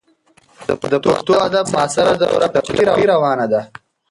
د پښتو ادب معاصره دوره په چټکۍ روانه ده.